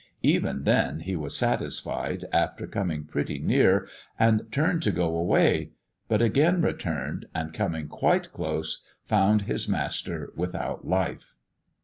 Even then, he was satisfied, after coming pretty near, and turned to go away; but again returned, and coming quite close, found his master without life."